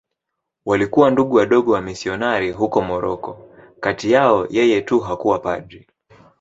Walikuwa Ndugu Wadogo wamisionari huko Moroko.Kati yao yeye tu hakuwa padri.